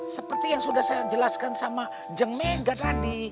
seperti yang sudah saya jelaskan sama jeng mega tadi